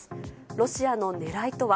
ロシアのねらいとは。